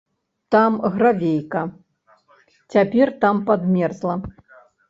Там гравейка, цяпер там падмерзла.